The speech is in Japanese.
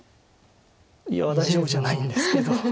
いや大丈夫じゃないんですけど。